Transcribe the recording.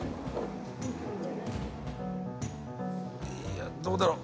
いやどうだろ。